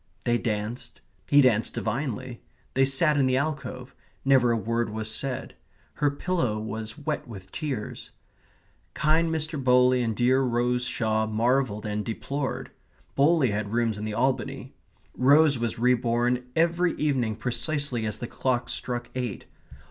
They danced. He danced divinely. They sat in the alcove; never a word was said. Her pillow was wet with tears. Kind Mr. Bowley and dear Rose Shaw marvelled and deplored. Bowley had rooms in the Albany. Rose was re born every evening precisely as the clock struck eight.